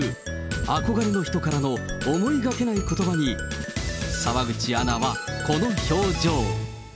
憧れの人からの思いがけないことばに、澤口アナはこの表情。